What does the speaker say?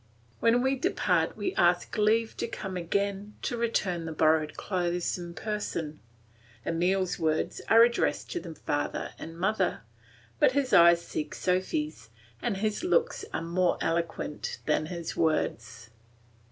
When we depart we ask leave to come again to return the borrowed clothes in person, Emile's words are addressed to the father and mother, but his eyes seek Sophy's, and his looks are more eloquent than his words.